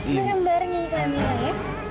bukan barengnya ya mila